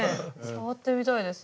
触ってみたいです。